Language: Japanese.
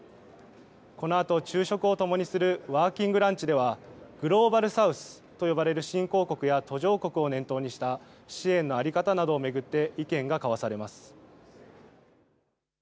このあと昼食をともにするワーキングランチではグローバル・サウスと呼ばれる新興国や途上国を念頭にした支援の在り方などを巡って意見が交わされます。